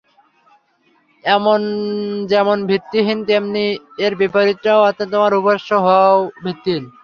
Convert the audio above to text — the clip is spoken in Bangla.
এটাও যেমন ভিত্তিহীন, তেমনি এর বিপরীতটা অর্থাৎ তোমার উপাস্য হওয়াও ভিত্তিহীন।